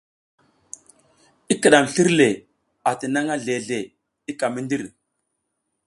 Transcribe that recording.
I kiɗam slir le atinangʼha zle zle i ka mi ndir.